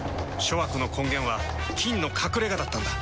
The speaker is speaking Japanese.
諸悪の根源は「菌の隠れ家」だったんだ。